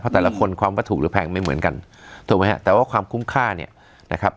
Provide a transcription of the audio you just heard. แต่ละคนความว่าถูกหรือแพงไม่เหมือนกันถูกไหมฮะแต่ว่าความคุ้มค่าเนี่ยนะครับ